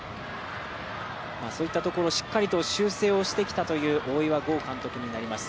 そういったところしっかり修正をしてきたという大岩剛監督となります。